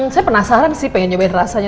saya penasaran sih pengen nyobain rasanya